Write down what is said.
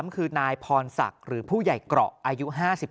คือนายพรศักดิ์หรือผู้ใหญ่เกราะอายุ๕๓